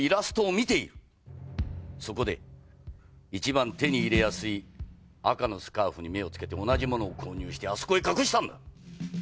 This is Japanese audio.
そこでいちばん手に入れやすい赤のスカーフに目をつけて同じものを購入してあそこへ隠したんだ！